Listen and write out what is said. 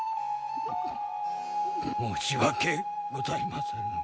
申し訳ございませぬ。